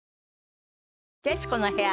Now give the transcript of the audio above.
『徹子の部屋』は